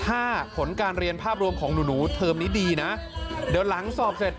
อยากจะมอบความสุขให้พอบอนบอกว่าก่อนอันนี้เด็กช่วยเหลือกิจกรรมของโรงเรียนมันหนักหน่วง